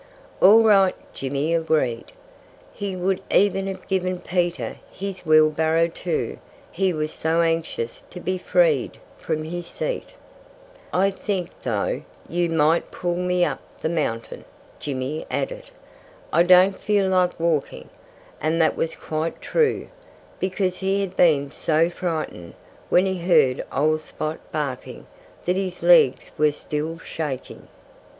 "All right," Jimmy agreed. He would even have given Peter his wheelbarrow, too, he was so anxious to be freed from his seat. "I think, though, that you might pull me up the mountain," Jimmy added. "I don't feel like walking." And that was quite true, because he had been so frightened, when he heard old Spot barking, that his legs were still shaking.